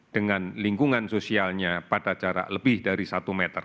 dengan lingkungan sosialnya pada jarak lebih dari satu meter